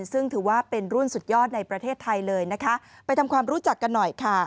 ซึ่งถือว่าเป็นรุ่นสุดยอดในประเทศไทยเลยนะคะไปทำความรู้จักกันหน่อยค่ะ